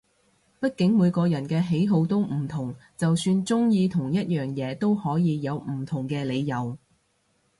畢竟每個人嘅喜好都唔同，就算中意同一樣嘢都可以有唔同嘅理由